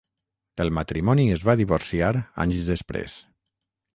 El matrimoni es va divorciar anys després.